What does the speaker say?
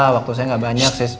waktu saya gak banyak